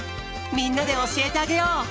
みんなでおしえてあげよう！